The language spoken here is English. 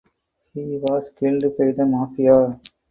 He was killed by the mafia.